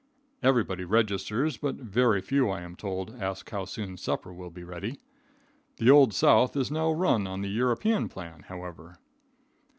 Everybody registers, but very few, I am told, ask how soon supper will be ready. The Old South is now run on the European plan, however.